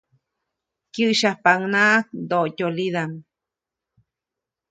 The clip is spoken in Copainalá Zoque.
Kyäsyapaʼuŋnaʼak ndoʼtyolidaʼm.